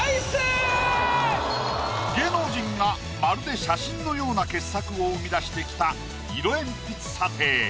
芸能人がまるで写真のような傑作を生み出してきた色鉛筆査定。